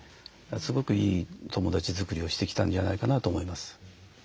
すごくいい友だち作りをしてきたんじゃないかなと思います。